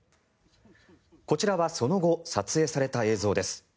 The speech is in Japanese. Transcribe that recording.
こちらはその後、撮影された映像です。